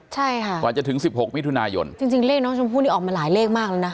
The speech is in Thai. ใช่ค่ะกว่าจะถึงสิบหกมิถุนายนจริงจริงเลขน้องชมพู่นี่ออกมาหลายเลขมากแล้วนะ